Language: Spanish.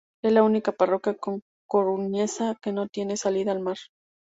Es la única parroquia coruñesa que no tiene salida al mar.